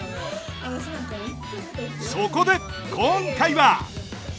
そこで今回は。